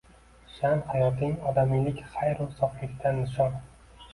Shan hayoting odamiylik xayru soflikdan nishon